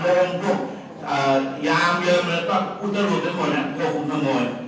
บางคนปุ๊กแย่มเยอะแล้วกับอุตโรปเรียกหมดเนี้ยโคกครูขโมย